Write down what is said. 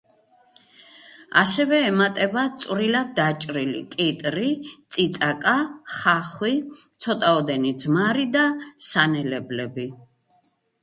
ასევე ემატება წვრილად დაჭრილი კიტრი, წიწაკა, ხახვი, ცოტაოდენი ძმარი და სანელებლები.